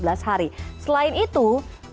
selain itu pangkalan militernya